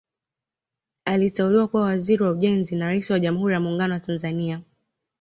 Aliteuliwa kuwa Waziri wa Ujenzi na Rais wa Jamhuri ya Muungano wa Tanzania